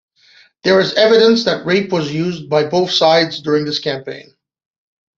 There is evidence that rape was used by both sides during this campaign.